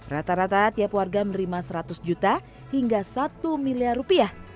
rata rata tiap warga menerima seratus juta hingga satu miliar rupiah